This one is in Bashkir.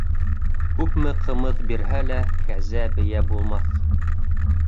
Күпме ҡымыҙ бирһә лә, кәзә бейә булмаҫ